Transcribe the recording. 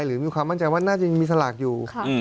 หรือมีความมั่นใจว่าน่าจะยังมีสลากอยู่